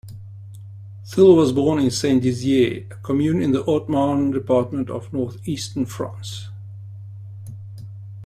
Thil was born in Saint-Dizier, a commune in the Haute-Marne department in north-eastern France.